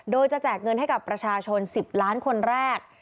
โดยจะแจกเงินให้กับประชาชน๑๐ล้านคนแรก